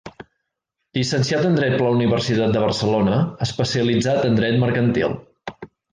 Llicenciat en Dret per la Universitat de Barcelona especialitzat en dret mercantil.